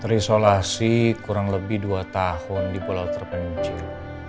terisolasi kurang lebih dua tahun di pulau terpencil